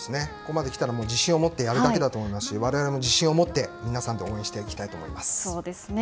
ここまで来たら自信を持ってやるだけだと思いますし我々も自信を持って皆さんで応援したいと思います。